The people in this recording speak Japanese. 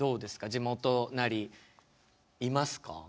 地元なりいますか？